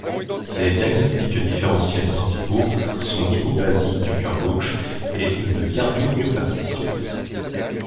Les diagnostics différentiels principaux sont l'hypoplasie du cœur gauche et une cardiomyopathie.